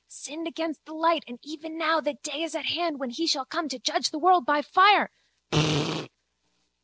Sinned against the light and even now that day is at hand when he shall come to judge the world by fire.